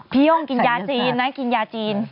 โย่งกินยาจีนนะกินยาจีน